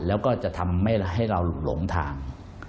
แล้วก็จะทำให้เราหลงทาง